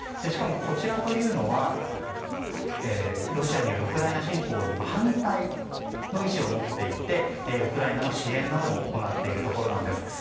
しかも、こちらというのはロシアによるウクライナ侵攻に反対の意思を持っていてウクライナの支援なども行っているところです。